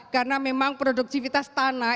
karena memang produktivitas tanah